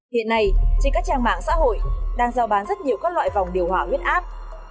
hiện nay trên các trang mạng xã hội đang giao bán rất nhiều các loại vòng điều hỏa huyết áp